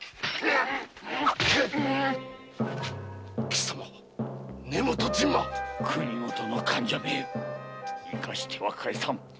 貴様は根本陣馬国元の間者め生かしては帰さん。